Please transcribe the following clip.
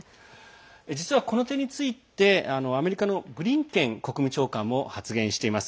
実はこの点についてアメリカのブリンケン国務長官も発言しています。